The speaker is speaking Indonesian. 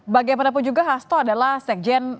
bagaimanapun juga hasto adalah sekjen